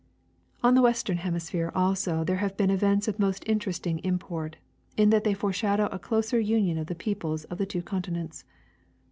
On the western hemisphere also there have been events of most interesting import, in that they foreshadow a closer union of the people of the two continents.